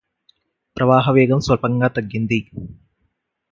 ప్రవాహ వేగం స్వల్పంగా తగ్గింది